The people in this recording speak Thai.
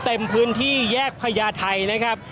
ก็น่าจะมีการเปิดทางให้รถพยาบาลเคลื่อนต่อไปนะครับ